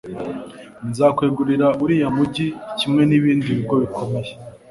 nzakwegurira uriya mugi kimwe n'ibindi bigo bikomeye